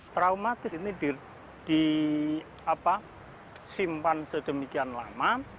traumatis ini disimpan sedemikian lama